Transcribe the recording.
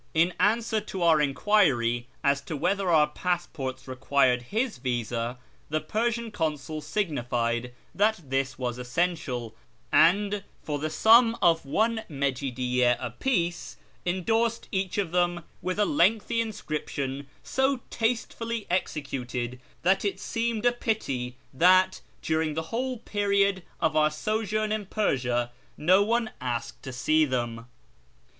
In answer to our enquiry as to whether our passports required his visa, the Persian Consul signified that this was essential, and, for the sum of one mcjicliyyi a piece, endorsed each of them with a lengthy inscription so tastefully executed that it seemed a pity that, during the whole period of our sojourn in Persia, no one asked to see them.